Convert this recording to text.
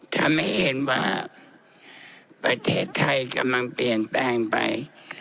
ทำให้เห็นว่าประเทศไทยกำลังเปลี่ยนแปลงไป